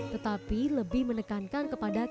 tetapi lebih menekankan kepada